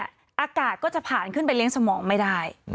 อากาศก็จะผ่านขึ้นไปเลี้ยงสมองไม่ได้